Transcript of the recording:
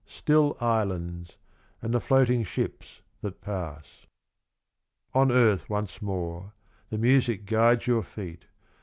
Still islands, and the floating ships that pass. On earth once more, the music guides your feet.